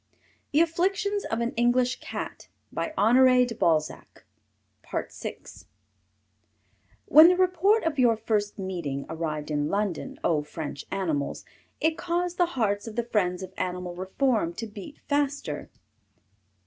THE AFFLICTIONS OF AN ENGLISH CAT When the report of your first meeting arrived in London, O! French Animals, it caused the hearts of the friends of Animal Reform to beat faster.